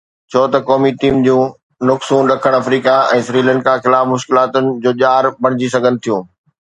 ڇو ته قومي ٽيم جون نقصون ڏکڻ آفريڪا ۽ سريلنڪا خلاف مشڪلاتن جو ڄار بڻجي سگهن ٿيون